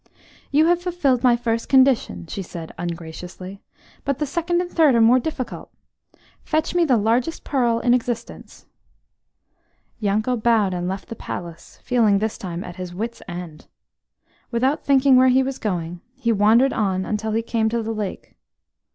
"You have fulfilled my first condition," she said ungraciously, "but the second and third are more difficult. Fetch me the largest pearl in existence." Yanko bowed and left the palace, feeling this time at his wits' end. Without thinking where he was going, he wandered on until he came to the lake.